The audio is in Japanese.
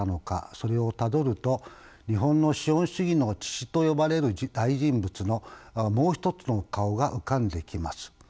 それをたどると日本の資本主義の父と呼ばれる大人物のもう一つの顔が浮かんできます。